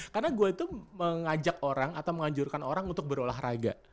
karena gue itu mengajak orang atau mengajurkan orang untuk berolahraga